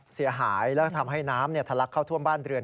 เสียหายแล้วก็ทำให้น้ำทะลักเข้าท่วมบ้านเรือน